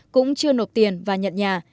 cũng chưa nộp tiền và nhận nhà